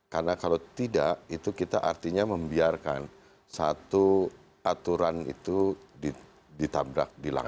karena kalau tidak itu kita artinya membiarkan satu aturan itu ditabrak dilanggar